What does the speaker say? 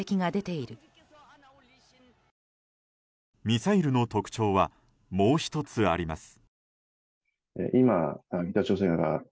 ミサイルの特徴はもう１つあります。